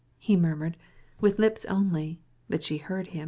he murmured with his lips; but she heard.